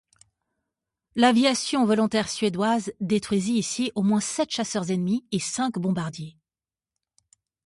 L'aviation volontaire suédoise détruisit ici au moins sept chasseurs ennemis et cinq bombardiers.